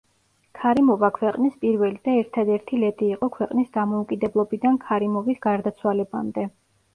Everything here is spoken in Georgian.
ქარიმოვა ქვეყნის პირველი და ერთადერთი ლედი იყო ქვეყნის დამოუკიდებლობიდან ქარიმოვის გარდაცვალებამდე.